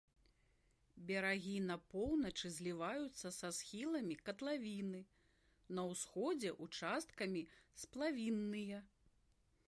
Берагі на поўначы зліваюцца са схіламі катлавіны, на ўсходзе участкамі сплавінныя.